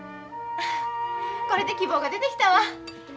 これで希望が出てきたわ。